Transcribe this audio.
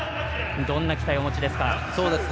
どんな期待をお持ちですか？